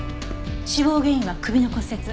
死亡原因は首の骨折。